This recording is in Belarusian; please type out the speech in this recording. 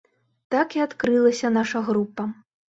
Так і адкрылася наша група.